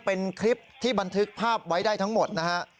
เป็นคลิปที่บันทึกภาพไว้ได้ทั้งหมดนะฮะ